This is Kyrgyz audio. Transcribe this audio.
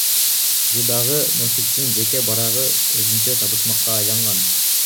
ЖЖдагы Носиктин жеке барагы өзүнчө табышмакка айланган.